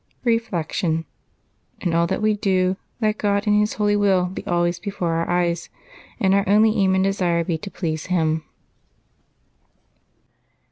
Reflection. — In all that we do, let God and His holy will be always before our eyes, and our only aim and desire be to please Him.